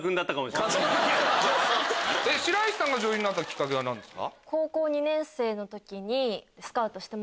白石さんが女優になったキッカケは何ですか？